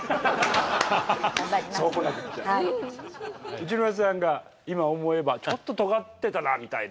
内村さんが今思えばちょっと尖ってたなみたいな。